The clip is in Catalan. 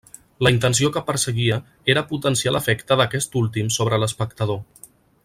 La intenció que perseguia era potenciar l'efecte d'aquest últim sobre l'espectador.